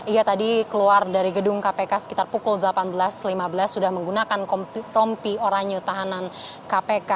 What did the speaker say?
ia tadi keluar dari gedung kpk sekitar pukul delapan belas lima belas sudah menggunakan rompi oranye tahanan kpk